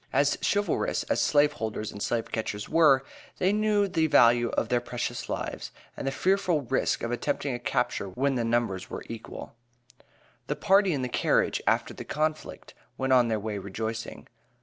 As chivalrous as slave holders and slave catchers were, they knew the value of their precious lives and the fearful risk of attempting a capture, when the numbers were equal. The party in the carriage, after the conflict, went on their way rejoicing.